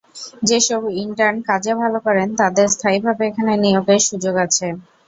যেসব ইন্টার্ন কাজে ভালো করেন, তাঁদের স্থায়ীভাবে এখানে নিয়োগের সুযোগ আছে।